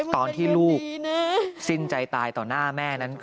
ตอนที่ลูกสิ้นใจตายต่อหน้าแม่นั้น